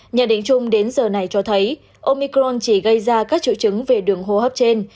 nhận định chung đến giờ này cho thấy omicron chỉ gây ra các triệu chứng về đường hô hấp trên